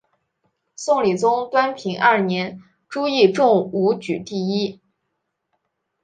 宋理宗端平二年朱熠中武举第一。